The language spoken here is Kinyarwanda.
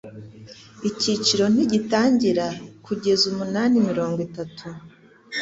Icyiciro ntigitangira kugeza umunanimirongo itatu